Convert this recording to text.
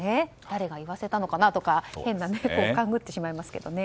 誰が言わせたのかなとか勘ぐってしまいますけどね。